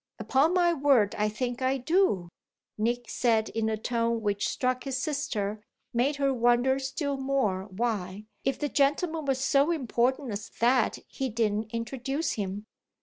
"Upon my word I think I do!" Nick said in a tone which struck his sister and made her wonder still more why, if the gentleman was so important as that, he didn't introduce him.